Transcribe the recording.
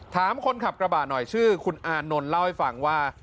ถามคนขับกระบะหน่อยชื่อคุณอานนท์เล่าให้ฟังว่า